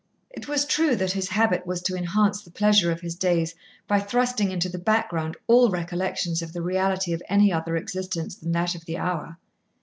It was true that his habit was to enhance the pleasure of his days by thrusting into the background all recollections of the reality of any other existence than that of the hour.